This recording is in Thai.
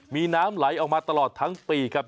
มีน้ำไหลออกมาตลอดทั้งปีครับ